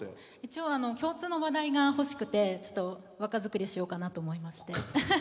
一応、共通の話題が欲しくて若作りしようかなと思いまして。